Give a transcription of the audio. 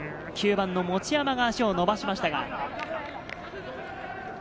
９番の持山が足を伸ばしましたが。